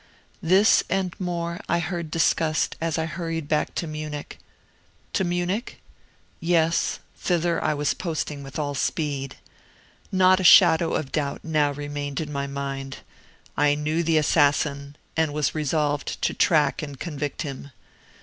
This and more I heard discussed as I hurried back to Munich. To Munich? Yes; thither I was posting with all speed. Not a shadow of doubt now remained in my mind. I knew the assassin, and was resolved to track and convict him.